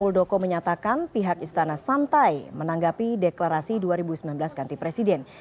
muldoko menyatakan pihak istana santai menanggapi deklarasi dua ribu sembilan belas ganti presiden